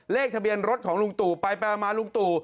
เลขทะเบียนรถของลุงตู่ไปมาลุงตู่